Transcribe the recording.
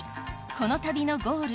この旅のゴール